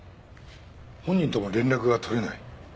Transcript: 本人とも連絡が取れない？